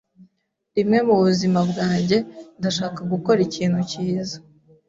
Rimwe mubuzima bwanjye, ndashaka gukora ikintu cyiza.